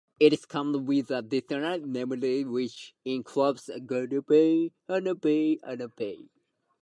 It comes with a detailed manual, which includes guidelines, illustrations, and application examples.